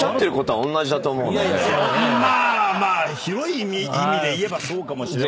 まあまあ広い意味でいえばそうかもしれません。